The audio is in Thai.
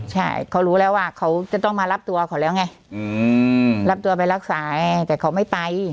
ใช่เขารู้แล้วว่าเขาจะต้องมารับตัวเขาแล้วไงรับตัวไปรักษาแต่เขาไม่ไป